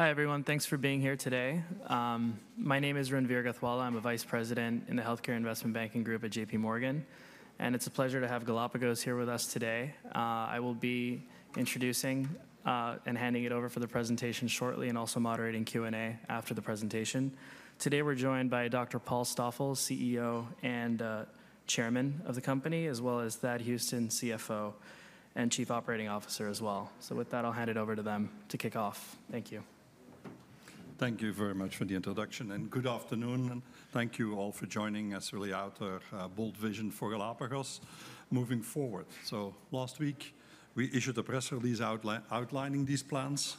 Hi, everyone. Thanks for being here today. My name is Ranveer Gatwala. I'm the Vice President in the Healthcare Investment Banking Group at J.P. Morgan. And it's a pleasure to have Galapagos here with us today. I will be introducing and handing it over for the presentation shortly, and also moderating Q&A after the presentation. Today we're joined by Dr. Paul Stoffels, CEO and Chairman of the company, as well as Thad Huston, CFO and Chief Operating Officer as well. So with that, I'll hand it over to them to kick off. Thank you. Thank you very much for the introduction. Good afternoon. Thank you all for joining us to really outline our bold vision for Galapagos moving forward. Last week, we issued a press release outlining these plans.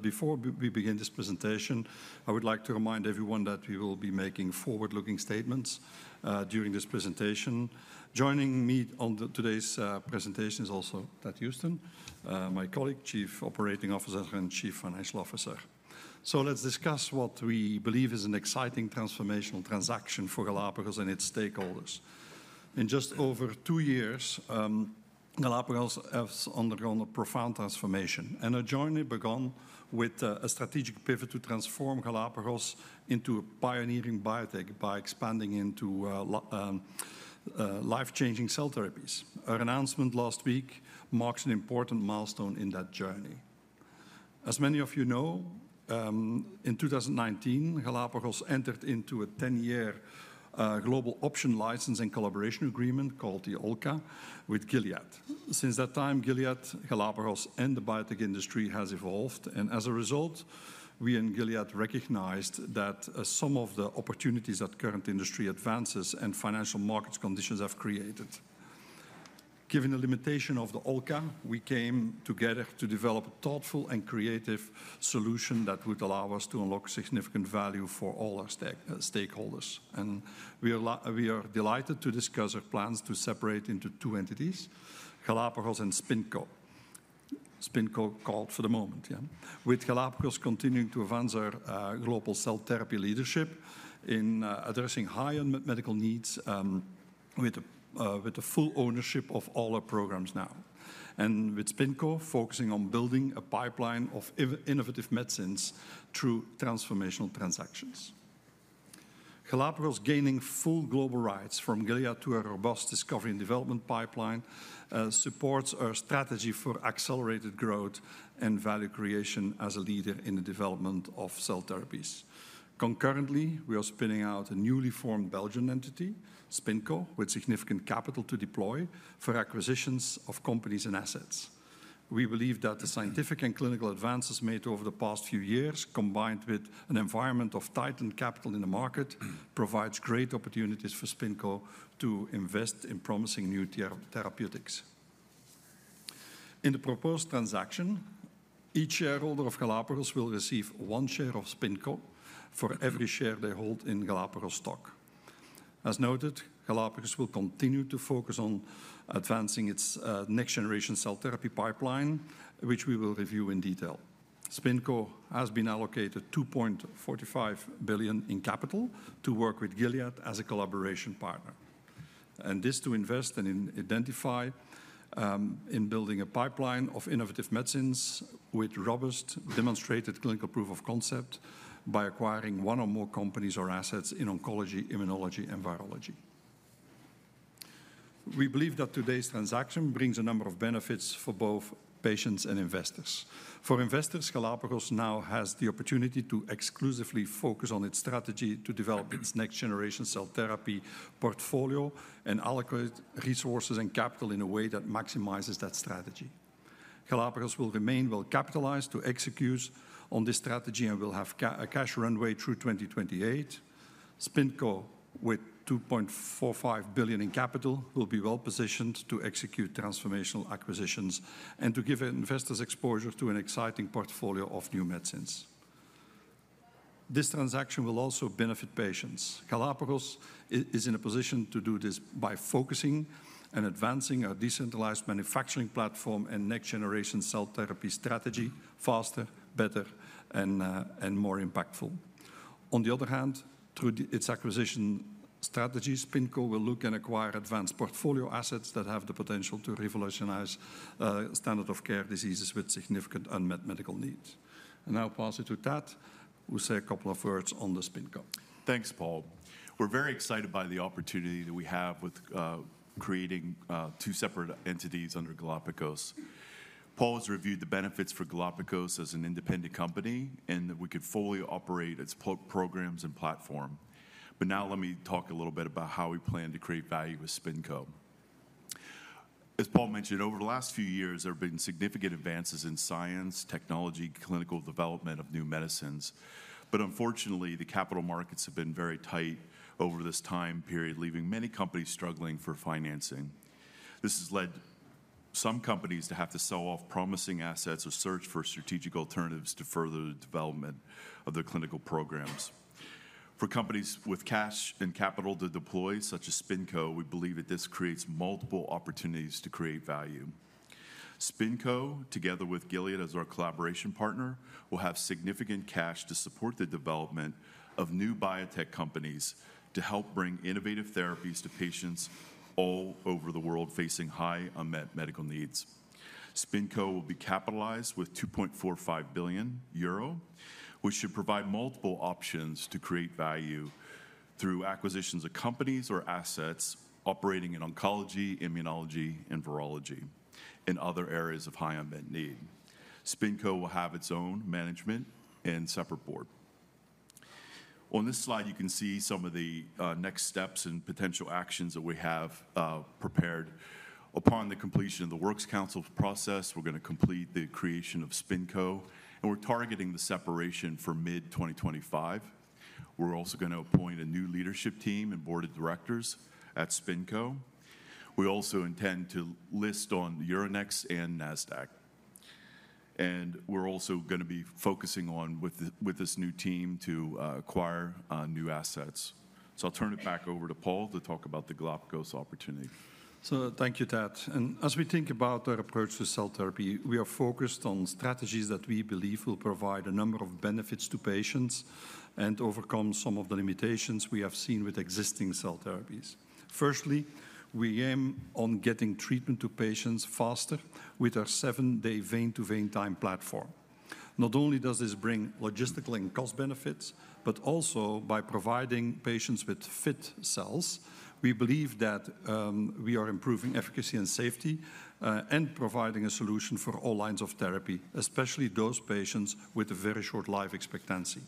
Before we begin this presentation, I would like to remind everyone that we will be making forward-looking statements during this presentation. Joining me on today's presentation is also Thad Huston, my colleague, Chief Operating Officer, and Chief Financial Officer. Let's discuss what we believe is an exciting transformational transaction for Galapagos and its stakeholders. In just over two years, Galapagos has undergone a profound transformation. Our journey began with a strategic pivot to transform Galapagos into a pioneering biotech by expanding into life-changing cell therapies. Our announcement last week marks an important milestone in that journey. As many of you know, in 2019, Galapagos entered into a 10-year global option licensing collaboration agreement called the OLCA with Gilead. Since that time, Gilead, Galapagos, and the biotech industry have evolved. And as a result, we in Gilead recognized that some of the opportunities that current industry advances and financial markets' conditions have created. Given the limitation of the OLCA, we came together to develop a thoughtful and creative solution that would allow us to unlock significant value for all our stakeholders. And we are delighted to discuss our plans to separate into two entities, Galapagos and SpinCo. SpinCo called for the moment, yeah. With Galapagos continuing to advance our global cell therapy leadership in addressing high unmet medical needs with the full ownership of all our programs now. And with SpinCo, focusing on building a pipeline of innovative medicines through transformational transactions. Galapagos gaining full global rights from Gilead to a robust discovery and development pipeline supports our strategy for accelerated growth and value creation as a leader in the development of cell therapies. Concurrently, we are spinning out a newly formed Belgian entity, SpinCo, with significant capital to deploy for acquisitions of companies and assets. We believe that the scientific and clinical advances made over the past few years, combined with an environment of tightened capital in the market, provide great opportunities for SpinCo to invest in promising new therapeutics. In the proposed transaction, each shareholder of Galapagos will receive one share of SpinCo for every share they hold in Galapagos stock. As noted, Galapagos will continue to focus on advancing its next-generation cell therapy pipeline, which we will review in detail. SpinCo has been allocated $2.45 billion in capital to work with Gilead as a collaboration partner. And this to invest and identify in building a pipeline of innovative medicines with robust demonstrated clinical proof of concept by acquiring one or more companies or assets in oncology, immunology, and virology. We believe that today's transaction brings a number of benefits for both patients and investors. For investors, Galapagos now has the opportunity to exclusively focus on its strategy to develop its next-generation cell therapy portfolio and allocate resources and capital in a way that maximizes that strategy. Galapagos will remain well capitalized to execute on this strategy and will have a cash runway through 2028. SpinCo, with $2.45 billion in capital, will be well positioned to execute transformational acquisitions and to give investors exposure to an exciting portfolio of new medicines. This transaction will also benefit patients. Galapagos is in a position to do this by focusing and advancing our decentralized manufacturing platform and next-generation cell therapy strategy faster, better, and more impactful. On the other hand, through its acquisition strategies, SpinCo will look to acquire advanced portfolio assets that have the potential to revolutionize standard of care diseases with significant unmet medical needs. And now, I'll pass it to Thad, who will say a couple of words on the SpinCo. Thanks, Paul. We're very excited by the opportunity that we have with creating two separate entities under Galapagos. Paul has reviewed the benefits for Galapagos as an independent company, and that we could fully operate its programs and platform. But now let me talk a little bit about how we plan to create value with SpinCo. As Paul mentioned, over the last few years, there have been significant advances in science, technology, clinical development of new medicines. But unfortunately, the capital markets have been very tight over this time period, leaving many companies struggling for financing. This has led some companies to have to sell off promising assets or search for strategic alternatives to further the development of their clinical programs. For companies with cash and capital to deploy, such as SpinCo, we believe that this creates multiple opportunities to create value. SpinCo, together with Gilead as our collaboration partner, will have significant cash to support the development of new biotech companies to help bring innovative therapies to patients all over the world facing high unmet medical needs. SpinCo will be capitalized with 2.45 billion euro, which should provide multiple options to create value through acquisitions of companies or assets operating in oncology, immunology, and virology in other areas of high unmet need. SpinCo will have its own management and separate board. On this slide, you can see some of the next steps and potential actions that we have prepared. Upon the completion of the Works Council process, we're going to complete the creation of SpinCo, and we're targeting the separation for mid-2025. We're also going to appoint a new leadership team and board of directors at SpinCo. We also intend to list on Euronext and Nasdaq. And we're also going to be focusing on, with this new team, to acquire new assets. So I'll turn it back over to Paul to talk about the Galapagos opportunity. So thank you, Thad. And as we think about our approach to cell therapy, we are focused on strategies that we believe will provide a number of benefits to patients and overcome some of the limitations we have seen with existing cell therapies. Firstly, we aim on getting treatment to patients faster with our seven-day vein-to-vein time platform. Not only does this bring logistical and cost benefits, but also by providing patients with fit cells, we believe that we are improving efficacy and safety and providing a solution for all lines of therapy, especially those patients with a very short life expectancy.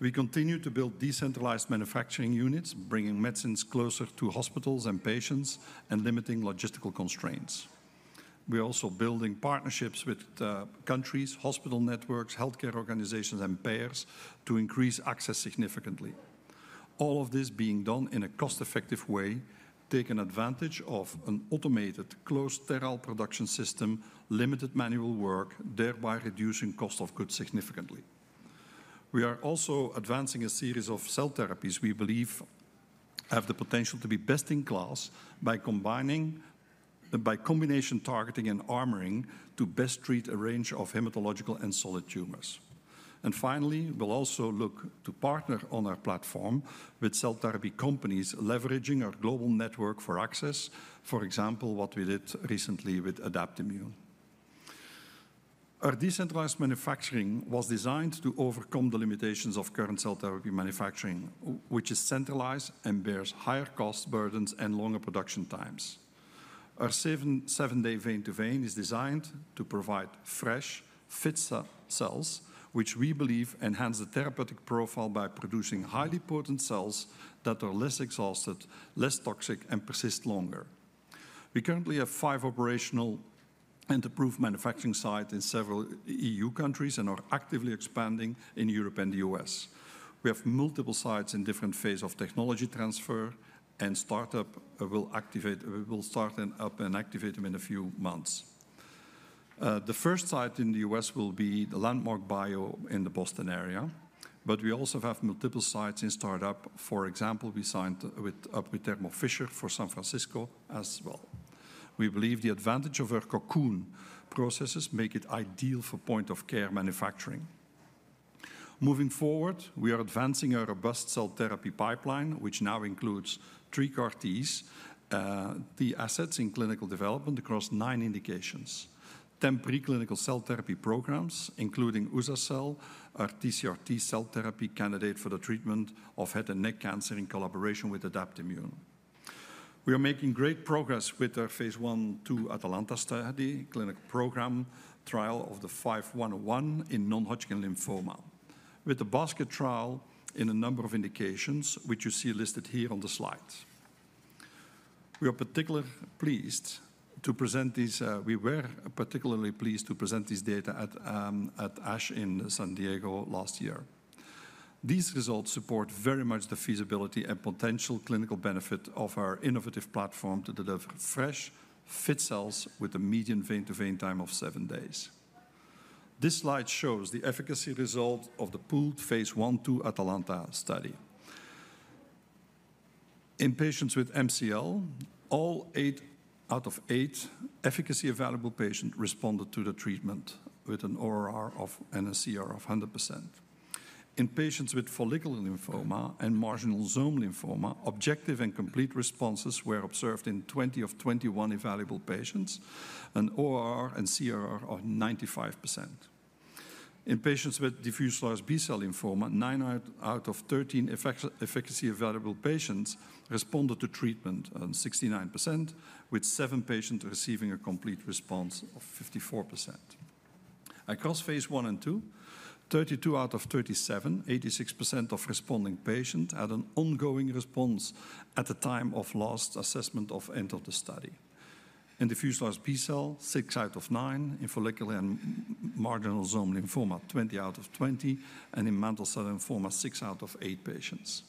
We continue to build decentralized manufacturing units, bringing medicines closer to hospitals and patients and limiting logistical constraints. We are also building partnerships with countries, hospital networks, healthcare organizations, and payers to increase access significantly. All of this being done in a cost-effective way, taking advantage of an automated closed-system production system, limited manual work, thereby reducing cost of goods significantly. We are also advancing a series of cell therapies we believe have the potential to be best in class by combination targeting and armoring to best treat a range of hematological and solid tumors. And finally, we'll also look to partner on our platform with cell therapy companies leveraging our global network for access, for example, what we did recently with Adaptimmune. Our decentralized manufacturing was designed to overcome the limitations of current cell therapy manufacturing, which is centralized and bears higher cost burdens and longer production times. Our seven-day vein-to-vein is designed to provide fresh, fit cells, which we believe enhance the therapeutic profile by producing highly potent cells that are less exhausted, less toxic, and persist longer. We currently have five operational and approved manufacturing sites in several EU countries and are actively expanding in Europe and the U.S. We have multiple sites in different phases of technology transfer, and start-up will start up and activate them in a few months. The first site in the U.S. will be the Landmark Bio in the Boston area. But we also have multiple sites in start-up. For example, we signed up with Thermo Fisher for San Francisco as well. We believe the advantage of our Cocoon processes makes it ideal for point-of-care manufacturing. Moving forward, we are advancing our robust cell therapy pipeline, which now includes three CAR-T assets in clinical development across nine indications, then preclinical cell therapy programs, including uza-cel, our TCR-T cell therapy candidate for the treatment of head and neck cancer in collaboration with Adaptimmune. We are making great progress with our phase 1/2 Atalanta study, clinical program trial of the 5101 in non-Hodgkin lymphoma, with a basket trial in a number of indications, which you see listed here on the slides. We are particularly pleased to present these. We were particularly pleased to present these data at ASH in San Diego last year. These results support very much the feasibility and potential clinical benefit of our innovative platform to deliver fresh, fit cells with a median vein-to-vein time of seven days. This slide shows the efficacy result of the pooled phase 1/2 Atalanta study. In patients with MCL, all eight out of eight efficacy available patients responded to the treatment with an ORR and a CRR of 100%. In patients with follicular lymphoma and marginal zone lymphoma, objective and complete responses were observed in 20 of 21 available patients, an ORR and CRR of 95%. In patients with diffuse large B-cell lymphoma, nine out of 13 efficacy available patients responded to treatment, 69%, with seven patients receiving a complete response of 54%. Across phase one and two, 32 out of 37, 86% of responding patients had an ongoing response at the time of last assessment of end of the study. In diffuse large B-cell, six out of nine, in follicular and marginal zone lymphoma, 20 out of 20, and in mantle cell lymphoma, six out of eight patients.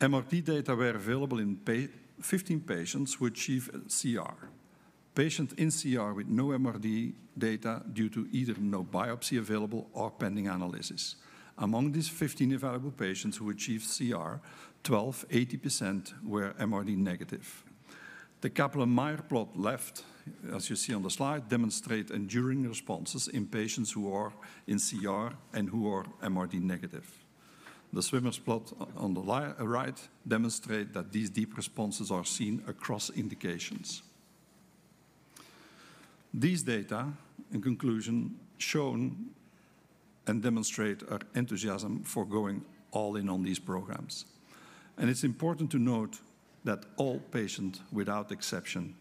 MRD data were available in 15 patients who achieved CR. Patients in CR with no MRD data due to either no biopsy available or pending analysis. Among these 15 available patients who achieved CR, 12, 80% were MRD negative. The Kaplan-Meier plot left, as you see on the slide, demonstrates enduring responses in patients who are in CR and who are MRD negative. The Swimmer plot on the right demonstrates that these deep responses are seen across indications. These data, in conclusion, show and demonstrate our enthusiasm for going all in on these programs, and it's important to note that all patients, without exception,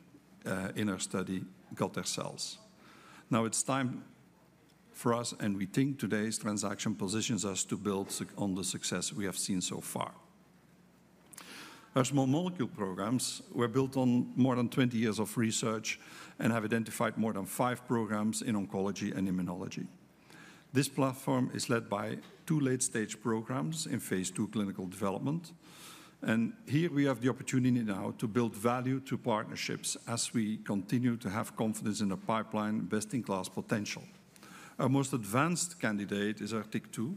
in our study got their cells. Now it's time for us, and we think today's transaction positions us to build on the success we have seen so far. Our small molecule programs were built on more than 20 years of research and have identified more than five programs in oncology and immunology. This platform is led by two late-stage programs in phase two clinical development. Here we have the opportunity now to build value to partnerships as we continue to have confidence in the pipeline best in class potential. Our most advanced candidate is our TYK2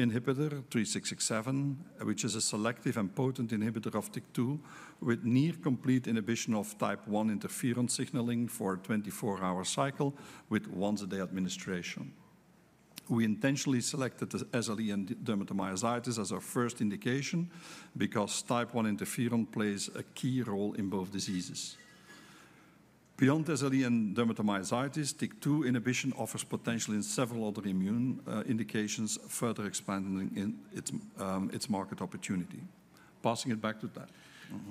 inhibitor, 3667, which is a selective and potent inhibitor of TYK2 with near-complete inhibition of type I interferon signaling for a 24-hour cycle with once-a-day administration. We intentionally selected SLE and dermatomyositis as our first indication because type I interferon plays a key role in both diseases. Beyond SLE and dermatomyositis, TYK2 inhibition offers potential in several other immune indications, further expanding its market opportunity. Passing it back to Thad.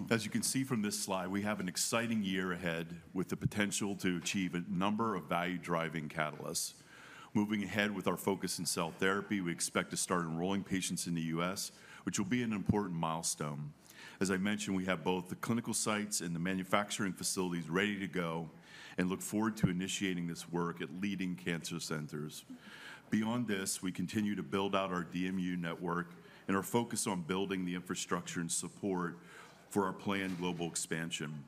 As you can see from this slide, we have an exciting year ahead with the potential to achieve a number of value-driving catalysts. Moving ahead with our focus in cell therapy, we expect to start enrolling patients in the U.S., which will be an important milestone. As I mentioned, we have both the clinical sites and the manufacturing facilities ready to go and look forward to initiating this work at leading cancer centers. Beyond this, we continue to build out our DMU network and are focused on building the infrastructure and support for our planned global expansion.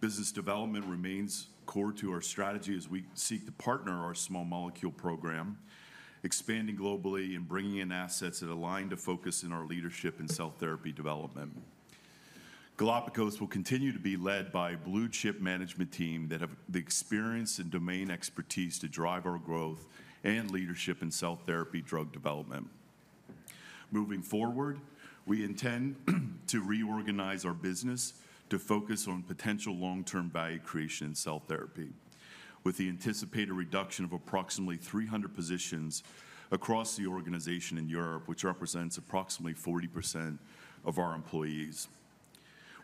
Business development remains core to our strategy as we seek to partner our small molecule program, expanding globally and bringing in assets that align to focus in our leadership in cell therapy development. Galapagos will continue to be led by a blue-chip management team that have the experience and domain expertise to drive our growth and leadership in cell therapy drug development. Moving forward, we intend to reorganize our business to focus on potential long-term value creation in cell therapy, with the anticipated reduction of approximately 300 positions across the organization in Europe, which represents approximately 40% of our employees.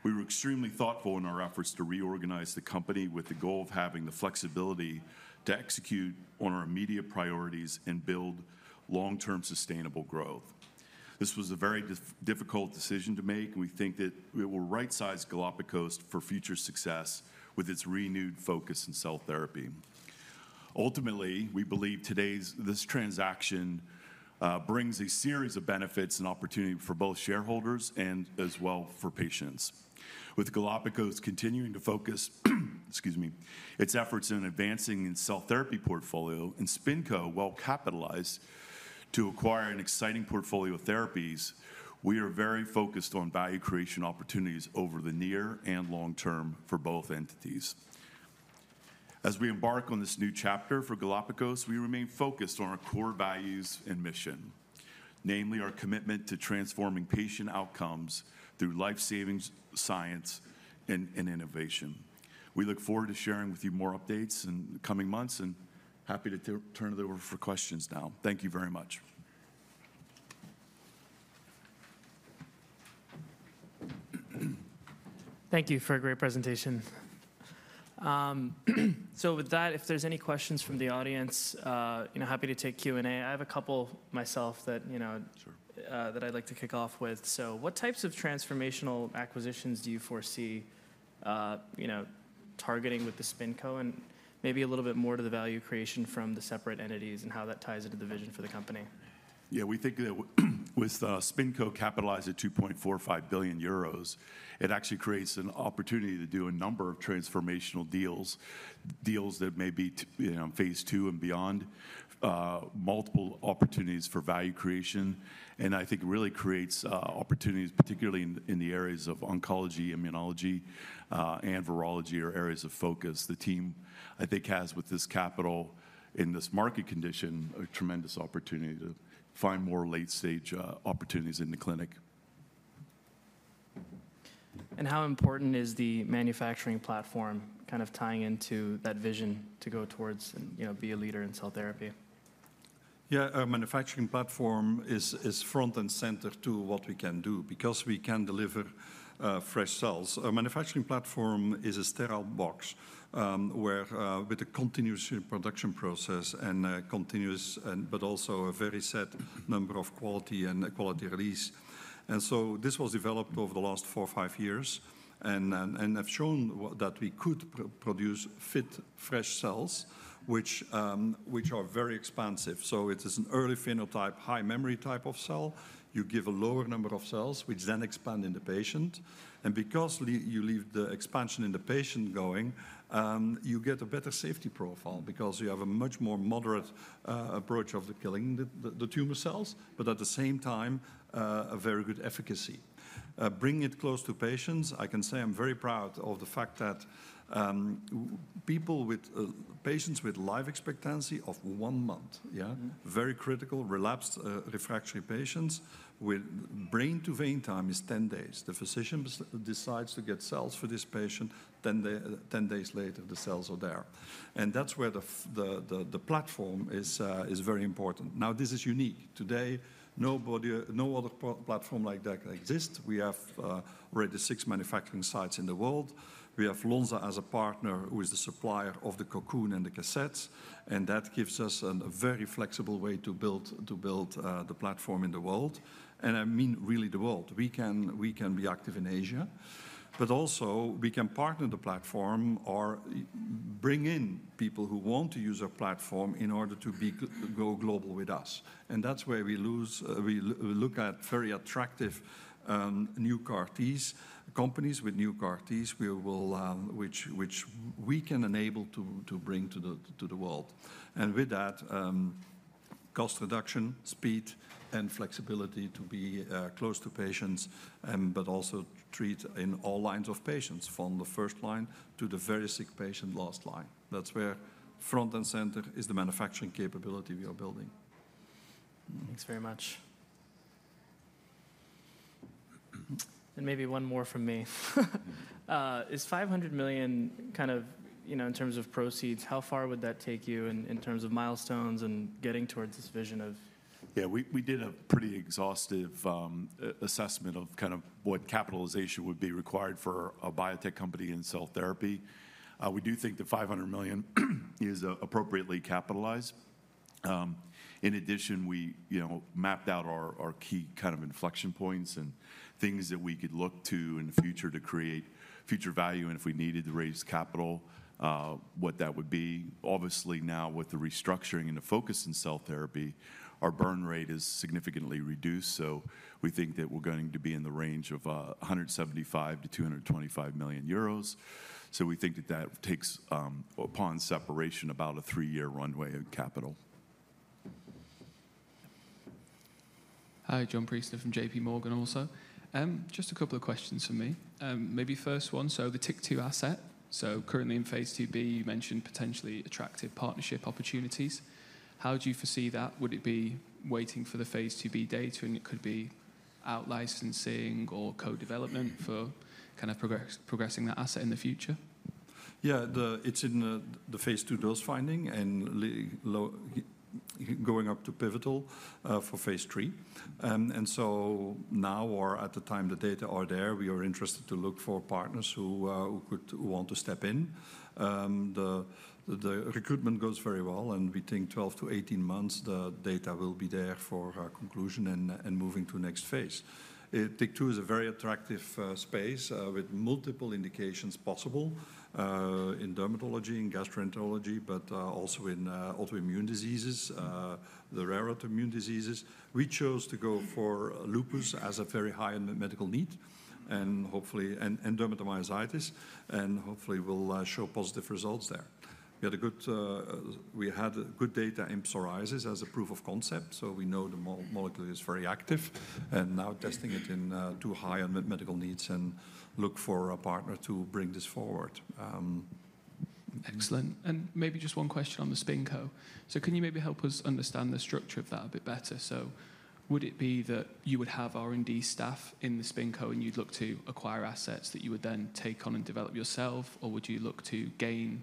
We were extremely thoughtful in our efforts to reorganize the company with the goal of having the flexibility to execute on our immediate priorities and build long-term sustainable growth. This was a very difficult decision to make, and we think that it will right-size Galapagos for future success with its renewed focus in cell therapy. Ultimately, we believe today's transaction brings a series of benefits and opportunities for both shareholders and as well for patients. With Galapagos continuing to focus its efforts in advancing its cell therapy portfolio and Spinco, while capitalized to acquire an exciting portfolio of therapies, we are very focused on value creation opportunities over the near and long term for both entities. As we embark on this new chapter for Galapagos, we remain focused on our core values and mission, namely our commitment to transforming patient outcomes through life-saving science and innovation. We look forward to sharing with you more updates in the coming months, and happy to turn it over for questions now. Thank you very much. Thank you for a great presentation. So with that, if there's any questions from the audience, I'm happy to take Q&A. I have a couple myself that I'd like to kick off with. So what types of transformational acquisitions do you foresee targeting with the SpinCo and maybe a little bit more to the value creation from the separate entities and how that ties into the vision for the company? Yeah, we think that with SpinCo capitalized at 2.45 billion euros, it actually creates an opportunity to do a number of transformational deals, deals that may be phase two and beyond, multiple opportunities for value creation, and I think it really creates opportunities, particularly in the areas of oncology, immunology, and virology or areas of focus. The team, I think, has with this capital in this market condition, a tremendous opportunity to find more late-stage opportunities in the clinic. How important is the manufacturing platform kind of tying into that vision to go towards and be a leader in cell therapy? Yeah, our manufacturing platform is front and center to what we can do because we can deliver fresh cells. Our manufacturing platform is a sterile box with a continuous production process and continuous, but also a very set number of quality and quality release. And so this was developed over the last four or five years and have shown that we could produce fit, fresh cells, which are very expansive. So it is an early phenotype, high memory type of cell. You give a lower number of cells, which then expand in the patient. And because you leave the expansion in the patient going, you get a better safety profile because you have a much more moderate approach of the killing the tumor cells, but at the same time, a very good efficacy. Bringing it close to patients, I can say I'm very proud of the fact that patients with life expectancy of one month, yeah, very critical relapsed refractory patients with vein-to-vein time is 10 days. The physician decides to get cells for this patient, 10 days later, the cells are there. And that's where the platform is very important. Now, this is unique. Today, no other platform like that exists. We have already six manufacturing sites in the world. We have Lonza as a partner who is the supplier of the Cocoon and the cassettes. And that gives us a very flexible way to build the platform in the world. And I mean really the world. We can be active in Asia, but also we can partner the platform or bring in people who want to use our platform in order to go global with us. And that's where we look at very attractive new CAR-Ts, companies with new CAR-Ts, which we can enable to bring to the world. And with that, cost reduction, speed, and flexibility to be close to patients, but also treat in all lines of patients, from the first line to the very sick patient last line. That's where front and center is the manufacturing capability we are building. Thanks very much, and maybe one more from me. Is 500 million kind of in terms of proceeds, how far would that take you in terms of milestones and getting towards this vision of? Yeah, we did a pretty exhaustive assessment of kind of what capitalization would be required for a biotech company in cell therapy. We do think the 500 million is appropriately capitalized. In addition, we mapped out our key kind of inflection points and things that we could look to in the future to create future value, and if we needed to raise capital, what that would be. Obviously now, with the restructuring and the focus in cell therapy, our burn rate is significantly reduced, so we think that we're going to be in the range of 175 million-225 million euros, so we think that that takes, upon separation, about a three-year runway of capital. Hi, Jon Priestman from J.P. Morgan also. Just a couple of questions for me. Maybe first one. So the TYK2 asset, so currently in phase 2b, you mentioned potentially attractive partnership opportunities. How do you foresee that? Would it be waiting for the phase 2b data and it could be out licensing or co-development for kind of progressing that asset in the future? Yeah, it's in the phase 2 dose finding and going up to pivotal for phase 3. And so now or at the time the data are there, we are interested to look for partners who want to step in. The recruitment goes very well and we think 12-18 months, the data will be there for conclusion and moving to next phase. TYK2 is a very attractive space with multiple indications possible in dermatology, in gastroenterology, but also in autoimmune diseases, the rare autoimmune diseases. We chose to go for lupus as a very high medical need and dermatomyositis and hopefully will show positive results there. We had good data in psoriasis as a proof of concept. So we know the molecule is very active and now testing it in two high medical needs and look for a partner to bring this forward. Excellent. And maybe just one question on the SpinCo. So can you maybe help us understand the structure of that a bit better? So would it be that you would have R&D staff in the SpinCo and you'd look to acquire assets that you would then take on and develop yourself, or would you look to gain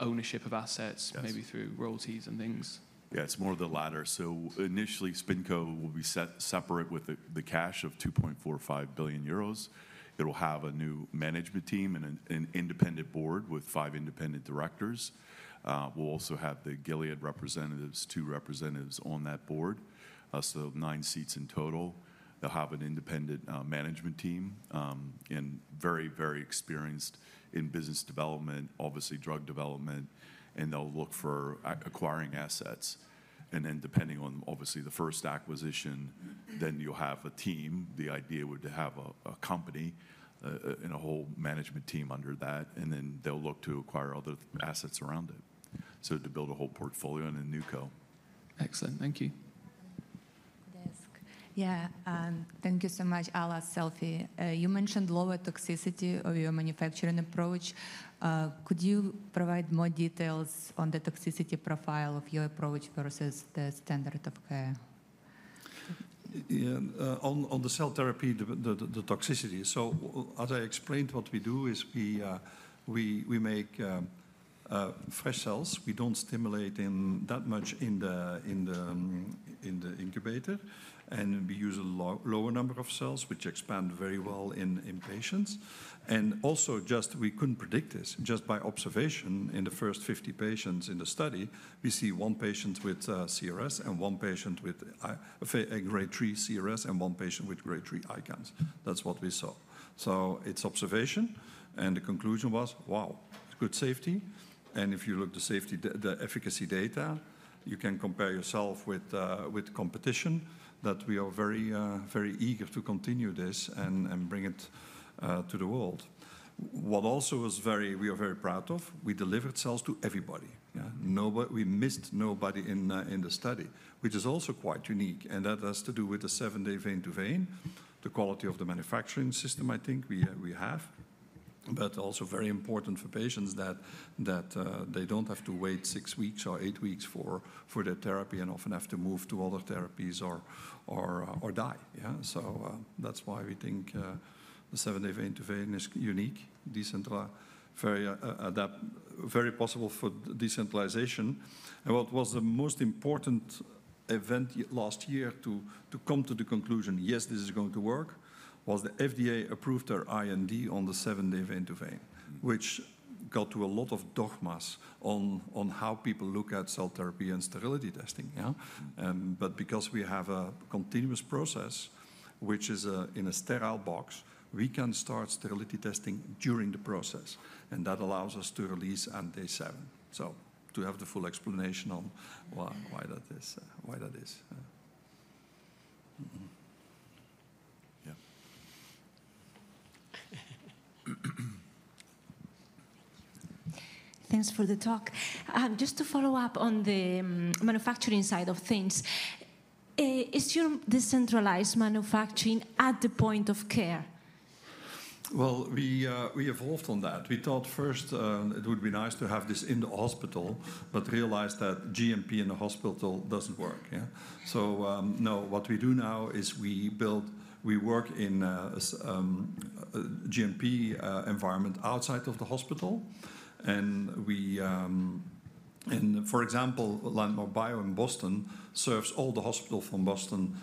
ownership of assets maybe through royalties and things? Yeah, it's more of the latter. So initially, SpinCo will be separate with the cash of 2.45 billion euros. It will have a new management team and an independent board with five independent directors. We'll also have the Gilead representatives, two representatives on that board. So nine seats in total. They'll have an independent management team and very, very experienced in business development, obviously drug development, and they'll look for acquiring assets. And then depending on obviously the first acquisition, then you'll have a team. The idea would have a company and a whole management team under that, and then they'll look to acquire other assets around it. So to build a whole portfolio in a new co. Excellent. Thank you. Yeah, thank you so much, Paul and Thad. You mentioned lower toxicity of your manufacturing approach. Could you provide more details on the toxicity profile of your approach versus the standard of care? On the cell therapy, the toxicity. So as I explained, what we do is we make fresh cells. We don't stimulate that much in the incubator, and we use a lower number of cells, which expand very well in patients. And also just we couldn't predict this. Just by observation in the first 50 patients in the study, we see one patient with CRS and one patient with a grade three CRS and one patient with grade three ICANS. That's what we saw. So it's observation. And the conclusion was, wow, good safety. And if you look at the safety, the efficacy data, you can compare yourself with competition that we are very eager to continue this and bring it to the world. What also was very, we are very proud of, we delivered cells to everybody. We missed nobody in the study, which is also quite unique. That has to do with the seven-day vein-to-vein, the quality of the manufacturing system, I think we have, but also very important for patients that they don't have to wait six weeks or eight weeks for their therapy and often have to move to other therapies or die. That's why we think the seven-day vein-to-vein is unique, decentralized, very possible for decentralization. What was the most important event last year to come to the conclusion, yes, this is going to work, was the FDA approved their IND on the seven-day vein-to-vein, which got to a lot of dogmas on how people look at cell therapy and sterility testing. Because we have a continuous process, which is in a sterile box, we can start sterility testing during the process. That allows us to release on day seven. So to have the full explanation on why that is. Yeah. Thanks for the talk. Just to follow up on the manufacturing side of things, is your decentralized manufacturing at the point of care? We evolved on that. We thought first it would be nice to have this in the hospital, but realized that GMP in the hospital doesn't work. No, what we do now is we work in a GMP environment outside of the hospital. For example, Landmark Bio in Boston serves all the hospitals from Boston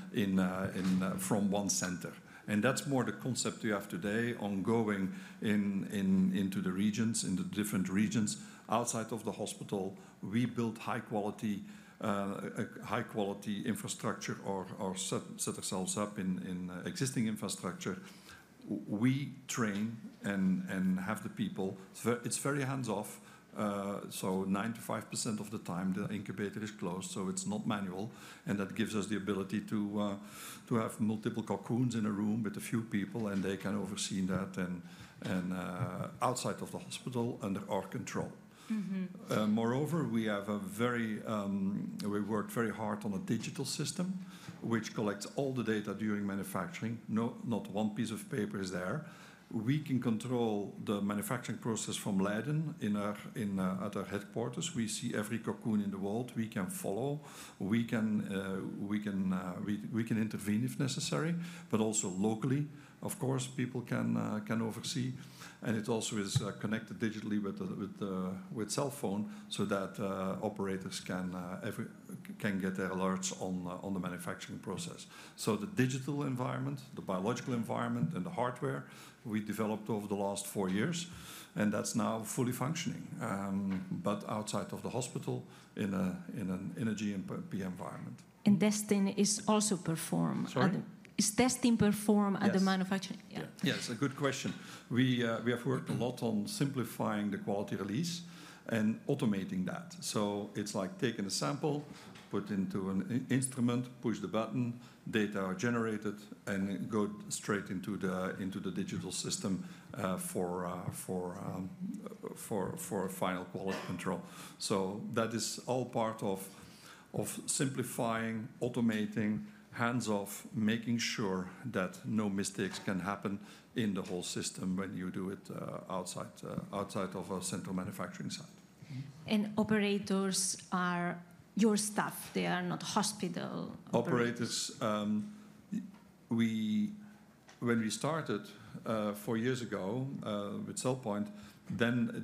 from one center. That's more the concept we have today on going into the regions, into different regions outside of the hospital. We build high-quality infrastructure or set ourselves up in existing infrastructure. We train and have the people. It's very hands-off. 95% of the time, the incubator is closed, so it's not manual. That gives us the ability to have multiple Cocoons in a room with a few people, and they can oversee that outside of the hospital under our control. Moreover, we worked very hard on a digital system, which collects all the data during manufacturing. Not one piece of paper is there. We can control the manufacturing process from Leiden at our headquarters. We see every Cocoon in the world. We can follow. We can intervene if necessary, but also locally, of course, people can oversee, and it also is connected digitally with cell phone so that operators can get their alerts on the manufacturing process. So the digital environment, the biological environment, and the hardware we developed over the last four years, and that's now fully functioning, but outside of the hospital in a GMP environment. Testing is also performed. Is testing performed at the manufacturing? Yeah, it's a good question. We have worked a lot on simplifying the quality release and automating that. So it's like taking a sample, put into an instrument, push the button, data are generated, and go straight into the digital system for final quality control. So that is all part of simplifying, automating, hands-off, making sure that no mistakes can happen in the whole system when you do it outside of a central manufacturing site. Operators are your staff. They are not hospital operators. Operators, when we started four years ago with CellPoint, then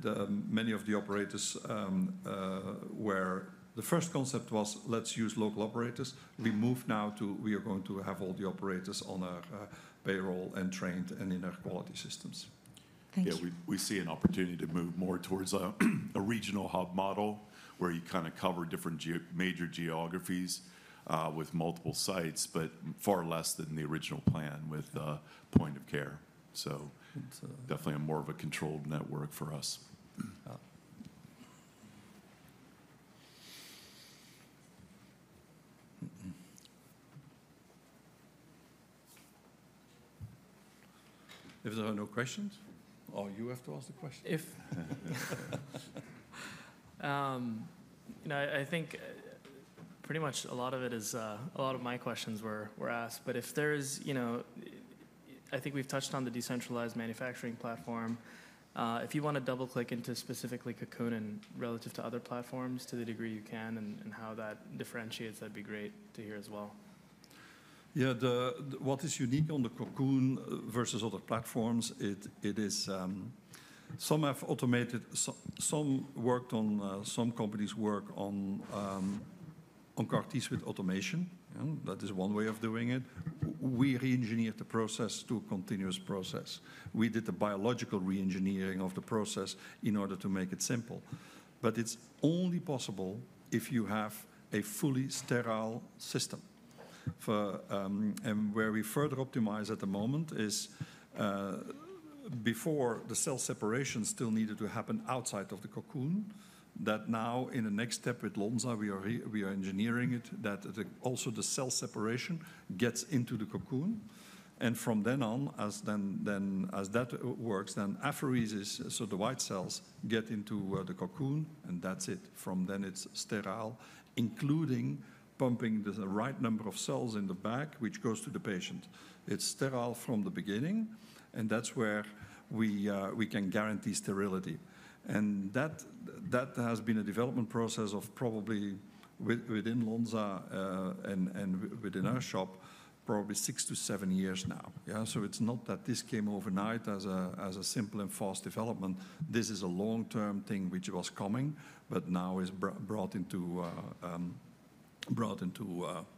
many of the operators were. The first concept was, let's use local operators. We moved now to we are going to have all the operators on a payroll and trained and in our quality systems. Thanks. Yeah, we see an opportunity to move more towards a regional hub model where you kind of cover different major geographies with multiple sites, but far less than the original plan with point of care. So definitely more of a controlled network for us. If there are no questions, are you after to ask the question? I think pretty much a lot of it is a lot of my questions were asked. But if there is, I think we've touched on the decentralized manufacturing platform. If you want to double-click into specifically Cocoon and relative to other platforms to the degree you can and how that differentiates, that'd be great to hear as well. Yeah, what is unique on the Cocoon versus other platforms, it is some have automated, some worked on, some companies work on CAR-Ts with automation. That is one way of doing it. We re-engineered the process to a continuous process. We did the biological re-engineering of the process in order to make it simple. But it's only possible if you have a fully sterile system. And where we further optimize at the moment is before the cell separation still needed to happen outside of the Cocoon, that now in the next step with Lonza, we are engineering it that also the cell separation gets into the Cocoon. And from then on, as that works, then apheresis, so the white cells get into the Cocoon and that's it. From then it's sterile, including pumping the right number of cells in the bag, which goes to the patient. It's sterile from the beginning, and that's where we can guarantee sterility. And that has been a development process of probably within Lonza and within our shop, probably six to seven years now. So it's not that this came overnight as a simple and fast development. This is a long-term thing which was coming, but now is brought into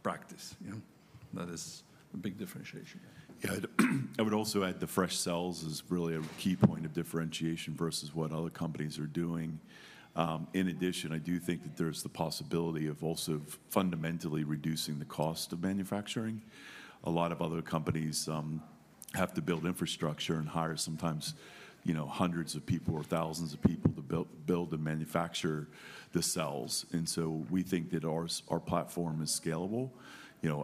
practice. That is a big differentiation. Yeah, I would also add the fresh cells is really a key point of differentiation versus what other companies are doing. In addition, I do think that there's the possibility of also fundamentally reducing the cost of manufacturing. A lot of other companies have to build infrastructure and hire sometimes hundreds of people or thousands of people to build and manufacture the cells. And so we think that our platform is scalable.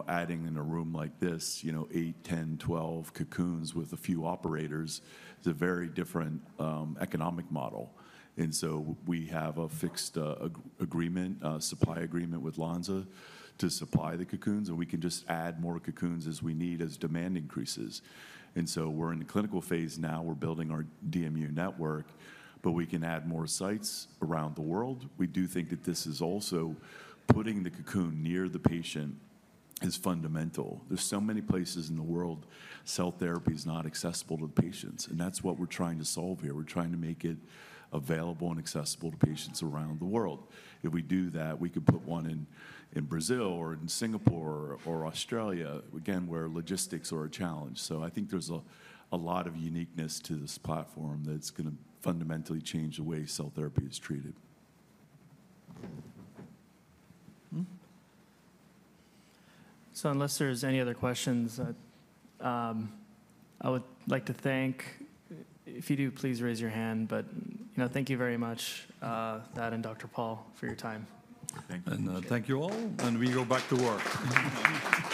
Adding in a room like this, eight, 10, 12 Cocoons with a few operators is a very different economic model. And so we have a fixed agreement, a supply agreement with Lonza to supply the Cocoons, and we can just add more Cocoons as we need as demand increases. And so we're in the clinical phase now. We're building our DMU network, but we can add more sites around the world. We do think that this is also putting the Cocoon near the patient is fundamental. There are so many places in the world cell therapy is not accessible to the patients, and that's what we're trying to solve here. We're trying to make it available and accessible to patients around the world. If we do that, we could put one in Brazil or in Singapore or Australia, again, where logistics are a challenge, so I think there's a lot of uniqueness to this platform that's going to fundamentally change the way cell therapy is treated. So, unless there's any other questions, I would like to thank. If you do, please raise your hand. But thank you very much, Thad and Dr. Paul, for your time. Thank you and thank you all, and we go back to work.